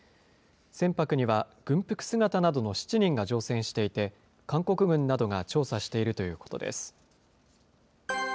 船舶には、軍服姿などの７人が乗船していて、韓国軍などが調査しているということです。